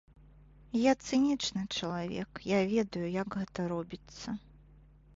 Я цынічны чалавек, я ведаю, як гэта робіцца.